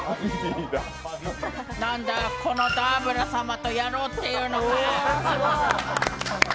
なんだ、このダーブラ様とやろうってのか？